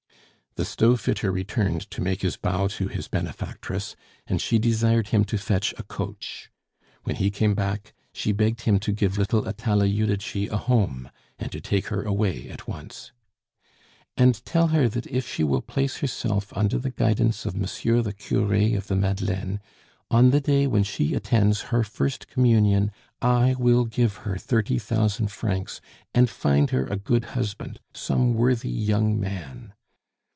The stove fitter returned to make his bow to his benefactress, and she desired him to fetch a coach. When he came back, she begged him to give little Atala Judici a home, and to take her away at once. "And tell her that if she will place herself under the guidance of Monsieur the Cure of the Madeleine, on the day when she attends her first Communion I will give her thirty thousand francs and find her a good husband, some worthy young man."